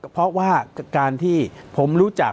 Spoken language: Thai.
เพราะว่าการที่ผมรู้จัก